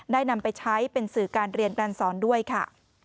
นำไปใช้เป็นสื่อการเรียนการสอนด้วยค่ะ